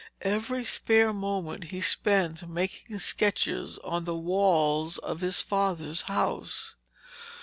Every spare moment he spent making sketches on the walls of his father's house.